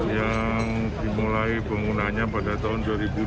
yang dimulai pembangunannya pada tahun dua ribu dua puluh